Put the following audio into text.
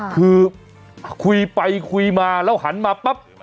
คือคุยไปคุยมาแล้วหันมาปั๊บ